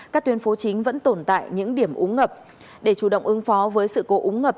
các tuyến phố chính vẫn tồn tại những điểm úng ngập để chủ động ứng phó với sự cố úng ngập